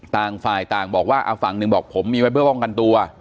ต่างฝ่ายต่างบอกว่าเอาฝั่งหนึ่งบอกผมมีไว้เพื่อป้องกันตัว